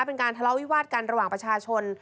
เป็นการทะเลาวิวาสกันระหว่างประชาชน